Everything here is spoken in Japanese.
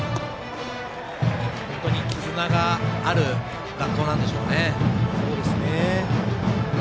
本当に絆がある学校なんでしょうね。